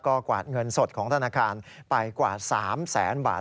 ก็กวาดเงินสดของธนาคารไปกว่า๓แสนบาท